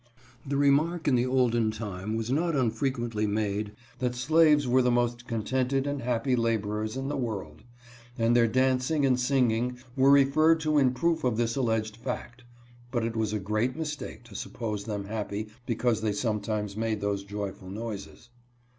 The remark in the olden time was not unfrequently made, that slaves were the most contented and happy laborers in the world, and their dancing and singing were referred to in proof of this alleged fact ; but it was a great mistake to suppose them happy because they some times made those joyful noises.